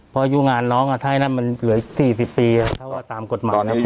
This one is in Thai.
เพราะอายุงานน้องถ้านั้นมันเหลือ๔๐ปีถ้าว่าตามกฎหมายนะ